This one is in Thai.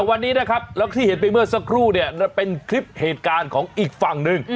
วันนี้นะครับแล้วที่เห็นไปเมื่อสักครู่เนี่ยเป็นคลิปเหตุการณ์ของอีกฝั่งหนึ่ง